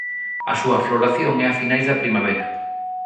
A súa floración é a finais da primavera.